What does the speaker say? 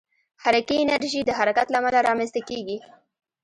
حرکي انرژي د حرکت له امله رامنځته کېږي.